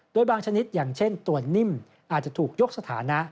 โดยบางชนิดอย่างเช่นตัวนิ่มอาจจะถูกยกสถานะ